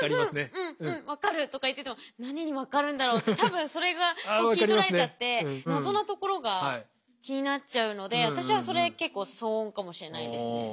うんうん分かる！」とか言ってても何に分かるんだろうって多分それが気ぃ取られちゃって謎のところが気になっちゃうので私はそれ結構騒音かもしれないですね。